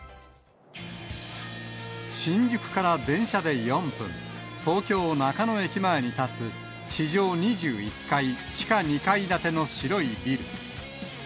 新宿から電車で４分、東京・中野駅前に建つ地上２１階地下２階建ての白いビル。